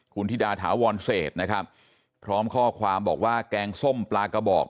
คุณธิดาถาวรเศษนะครับพร้อมข้อความบอกว่าแกงส้มปลากระบอก